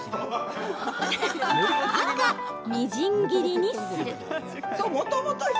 赤みじん切りにする。